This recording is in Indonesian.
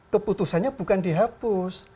keputusannya bukan dihapus